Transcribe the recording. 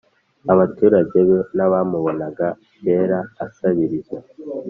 Abaturage be nabamubonaga kera asabiriza